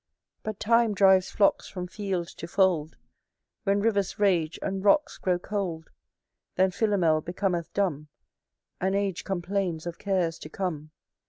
But Time drives flocks from field to fold. When rivers rage, and rocks grow cold Then Philomel becometh dumb And age complains of cares to come.